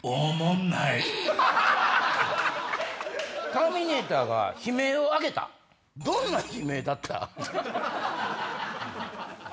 ターミネーターが悲鳴を上げたどんな悲鳴だった？